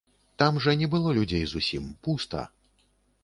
Там жа не было людзей зусім, пуста.